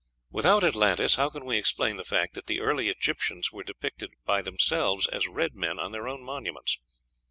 Without Atlantis, how can we explain the fact that the early Egyptians were depicted by themselves as red men on their own monuments?